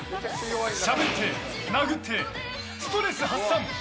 しゃべって、殴ってストレス発散。